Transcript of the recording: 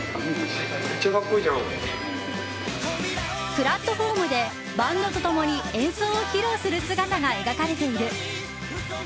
プラットホームでバンドと共に演奏を披露する姿が描かれている。